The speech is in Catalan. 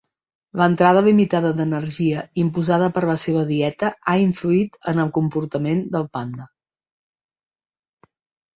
L'entrada limitada d'energia imposada per la seva dieta ha influït en el comportament del panda.